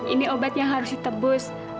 ini obat yang harus ditebus